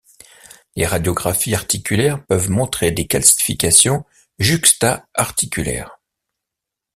Les radiographies articulaires peuvent montrer des calcifications juxta-articulaires.